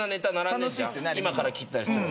今から切ったりする。